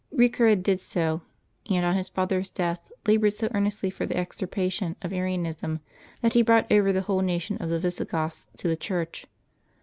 Eecared did so, and on his father's death labored so earnestly for the extirpation of Arianism that he brought over the whole nation of the Visigoths to the Church.